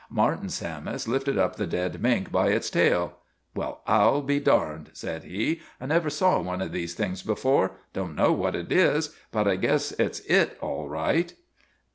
Martin Sammis lifted up the dead mink by its tail. " Well, I '11 be darned !" said he. " I never saw one of these things before. I don't know what it is ; but I guess it 's it all right."